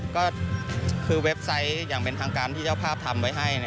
ก็คือเว็บไซต์อย่างเป็นทางการที่เจ้าภาพทำไว้ให้